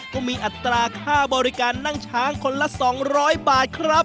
ก็มีอัตราค่าบริการนั่งช้างคนละ๒๐๐บาทครับ